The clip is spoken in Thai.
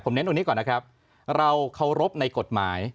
เน้นตรงนี้ก่อนนะครับเราเคารพในกฎหมาย